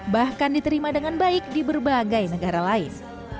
bahkan diterima dengan baik di berbagai negara lain